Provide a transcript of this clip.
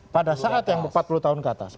pada saat yang empat puluh tahun ke atas